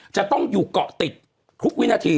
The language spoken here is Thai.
จะต้องอยู่เกาะติดทุกวินาที